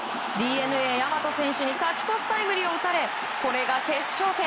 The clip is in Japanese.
ＤｅＮＡ、大和選手に勝ち越しタイムリーを打たれこれが決勝点。